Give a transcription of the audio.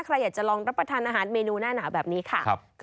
ใครอยากจะลองรับประทานอาหารเมนูหน้าหนาวแบบนี้ค่ะ